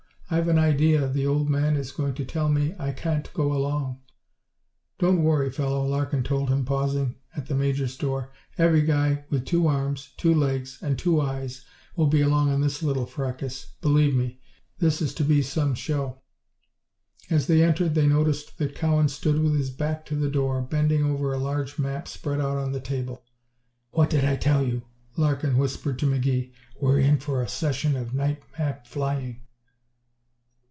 I've an idea the Old Man is going to tell me I can't go along." "Don't worry, fellow," Larkin told him, pausing at the Major's door. "Every guy with two arms, two legs and two eyes will be along on this little fracas. Believe me, this is to be some show!" As they entered they noticed that Cowan stood with his back to the door, bending over a large map spread out on the table. "What did I tell you?" Larkin whispered to McGee. "We're in for a session of night map flying."